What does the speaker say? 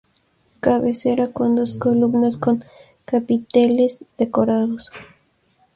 Cabecera con dos columnas con capiteles decorados.